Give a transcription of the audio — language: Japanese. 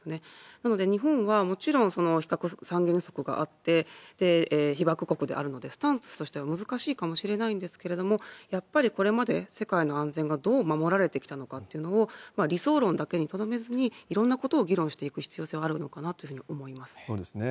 なので、日本はもちろん非核三原則があって、被爆国であるので、スタンスとしては難しいかもしれないんですけれども、やっぱりこれまで世界の安全がどう守られてきたのかというのを、理想論だけにとどめずに、いろんなことを議論していく必要性はあそうですね。